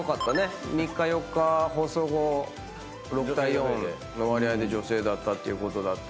３日４日放送後６対４の割合で女性だったっていうことだったり。